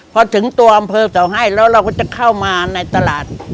พอถึงตัวอำเภอเสาให้แล้วเราก็จะเข้ามาในตลาด